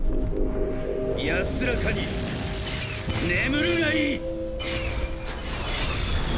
安らかに眠るがいい！！